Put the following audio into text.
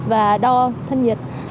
và đo thân nhiệt